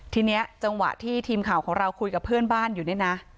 ทีนี้จังหวะที่ทีมข่าวของเราคุยกับเพื่อนบ้านอยู่เนี่ยนะ